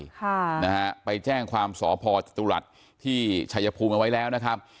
ค่ะนะฮะไปแจ้งความสพจตุรัสที่ชายภูมิเอาไว้แล้วนะครับ